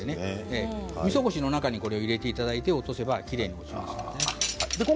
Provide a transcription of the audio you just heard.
みそこしの中に入れていただいてやると、きれいに溶けますね。